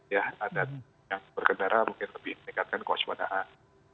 ya dan yang berkendara mungkin lebih meningkatkan kos pada air